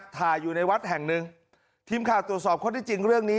ถ่ายอยู่ในวัดแห่งหนึ่งทีมข่าวตรวจสอบข้อที่จริงเรื่องนี้